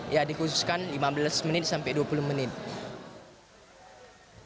ya dikhususkan lima belas menit sampai dua puluh menit